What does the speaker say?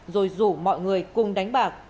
rồi rủ mọi người cùng đánh bạc